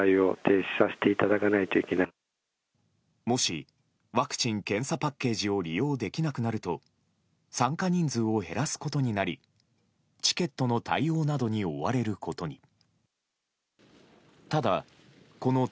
もしワクチン・検査パッケージを利用できなくなると参加人数を減らすことになりチケットの対応などに追われることに。